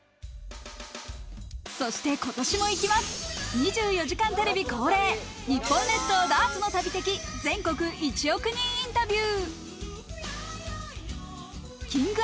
そして今年も行きます、『２４時間テレビ』恒例、日本列島ダーツの旅的全国１億人インタビュー。